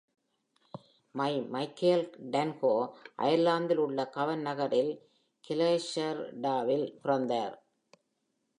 மைைக்கேல் டன்ஹோ அயர்லாந்தில் உள்ள கவன் நகரில், Killeshandraவில் பிறந்தார்.